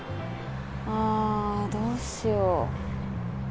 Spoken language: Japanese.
ああどうしよう。